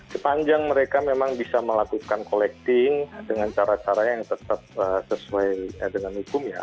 sepanjang mereka memang bisa melakukan collecting dengan cara cara yang tetap sesuai dengan hukum ya